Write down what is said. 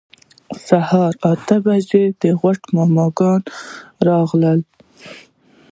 سهار اته بجې د غوټۍ ماما ګان راغلل.